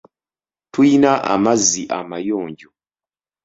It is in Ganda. Tuyina amazzi amayonjo.